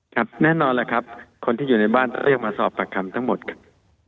ครับแน่นอนแหละครับคนที่อยู่ในบ้านต้องเรียกมาสอบปากคำทั้งหมดครับ